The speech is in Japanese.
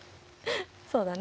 そうだね。